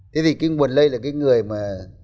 thế thì cái nguồn lây là cái người mà